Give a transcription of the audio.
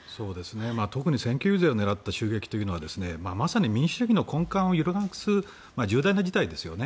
特に選挙遊説を狙った襲撃というのはまさに民主主義の根幹を揺るがす重大な事態ですよね。